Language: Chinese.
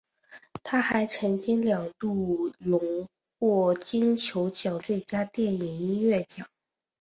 他还曾经两度荣膺金球奖最佳电影音乐奖。